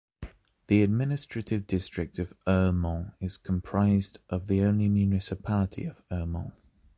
The administrative district of Ermont is composed of the only municipality of Ermont.